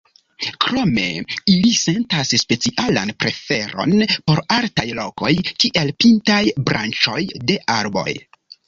Krome ili sentas specialan preferon por altaj lokoj, kiel pintaj branĉoj de arboj.